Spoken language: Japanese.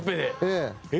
ええ！